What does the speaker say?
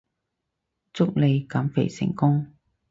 祝你減肥成功